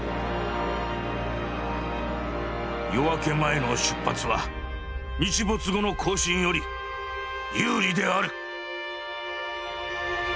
「夜明け前の出発は日没後の行進より有利である」。